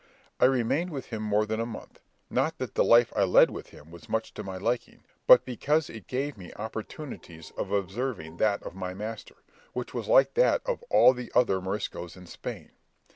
I remained with him more than a month, not that the life I led with him was much to my liking, but because it gave me opportunities of observing that of my master, which was like that of all the other Moriscoes in Spain.